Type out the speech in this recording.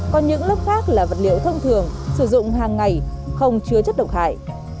còn những lớp khác là vật liệu thông thường sử dụng hàng ngày không chứa chất độc hại